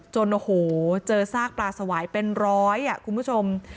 โอ้โหเจอซากปลาสวายเป็นร้อยคุณผู้ชม